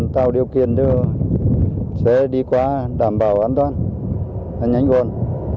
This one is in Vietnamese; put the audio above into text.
tạo điều kiện cho xe đi qua đảm bảo an toàn nhanh gọn